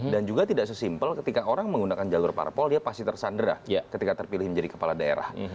dan juga tidak sesimpel ketika orang menggunakan jalur parpol dia pasti tersandera ketika terpilih menjadi kepala daerah